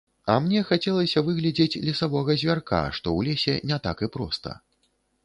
А мне хацелася выглядзець лесавога звярка, што ў лесе не так і проста.